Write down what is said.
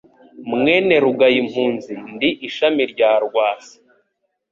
Mwene Rugayimpunzi.Ndi ishami rya Rwasa